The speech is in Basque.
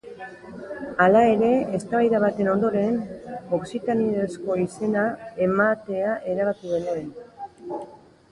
Hala ere, eztabaida baten ondoren, Okzitanierazko izena ematea erabaki genuen.